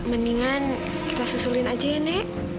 mendingan kita susulin aja ya nenek